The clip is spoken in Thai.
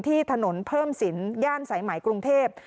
ที่ถนนเพิ่มศิลป์ย่านสายหมายกรุงเทพ